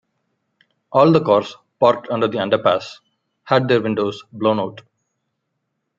All the cars parked under the underpass had their windows blown out.